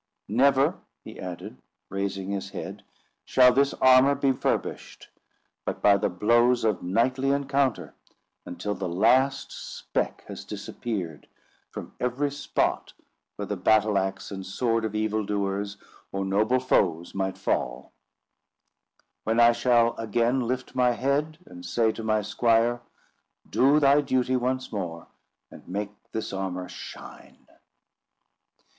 Never," he added, raising his head, "shall this armour be furbished, but by the blows of knightly encounter, until the last speck has disappeared from every spot where the battle axe and sword of evil doers, or noble foes, might fall; when I shall again lift my head, and say to my squire, 'Do thy duty once more, and make this armour shine.